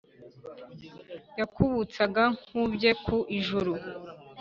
yakubutsaga nkubye ku ijuru.